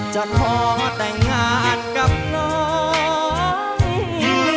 จะรอแต่งงานกับน้อง